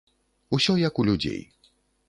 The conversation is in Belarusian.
Усё як у людзей.